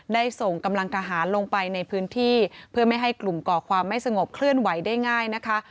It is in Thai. ได้ส่งกำลังทหารลงไปในพื้นที่เพื่อไม่ให้กลุ่มก่อความไม่สงบเคลื่อนไหวได้ง่ายนะคะ